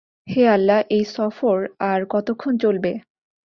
হে আল্লাহ, এই সফর আর কতক্ষণ চলবে?